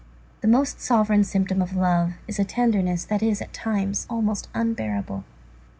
The most sovereign symptom of love is a tenderness that is, at times, almost unbearable.